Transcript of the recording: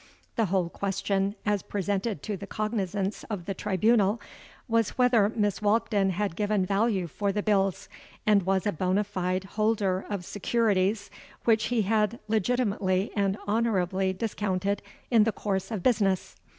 The whole question, as presented to the cognizance of the tribunal, was whether Mr. Walkden had given value for the bills, and was a bona fide holder of securities which he had legitimately and honourably discounted in the course of business.